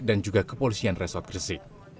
dan juga kepolisian resort gersik